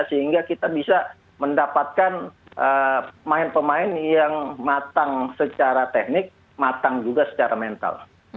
sehingga kita bisa mendapatkan pemain pemain yang matang secara teknik matang juga secara mental